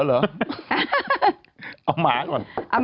เอาหมาก่อน